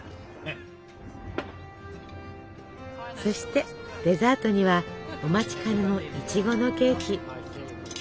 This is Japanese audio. そしてデザートにはお待ちかねのいちごのケーキ。